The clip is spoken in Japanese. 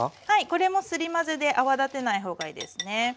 これもすり混ぜで泡立てないほうがいいですね。